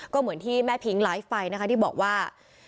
ก็เหมือนที่แม่พิ้งไลฟ์ไปนะคะที่บอกว่า